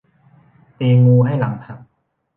ตีงูให้หลังหัก